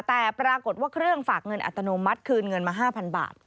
แต่ปรากฏว่าเครื่องฝากเงินอัตโนมัติคืนเงินมา๕๐๐บาท